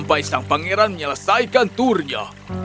supaya sang pangeran menyelesaikan turnya